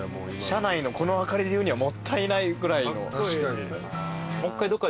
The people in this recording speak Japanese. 車内のこの明かりで言うにはもったいないぐらいの。